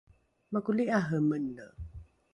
makoli’are mene